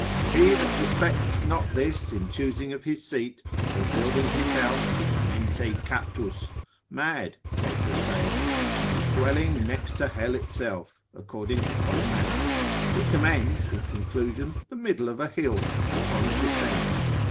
He that respects not this in choosing of his seat, or building his house, is mente captus, mad, Cato saith, and his dwelling next to hell itself, according to Columella: he commends, in conclusion, the middle of a hill, upon a descent.